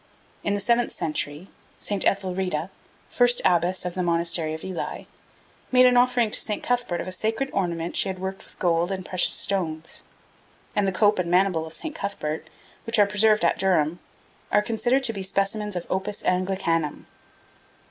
In the seventh century, St. Ethelreda, first abbess of the Monastery of Ely, made an offering to St. Cuthbert of a sacred ornament she had worked with gold and precious stones, and the cope and maniple of St. Cuthbert, which are preserved at Durham, are considered to be specimens of opus Anglicanum.